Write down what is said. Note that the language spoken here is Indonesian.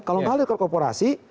kalau mengalir ke korporasi